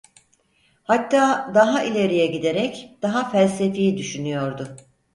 Hatta daha ileriye giderek, daha felsefi düşünüyordu.